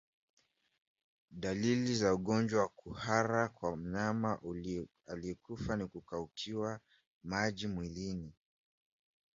Dalili za ugonjwa wa kuhara kwa mnyama aliyekufa ni kukaukiwa maji mwilini